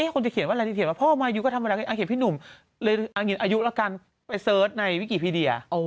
คนจะเขียนว่าพ่อมายุก็ธรรมดาเขียนพี่หนุ่มอายุละกันไปเสิร์ชในวิกิพีเดีย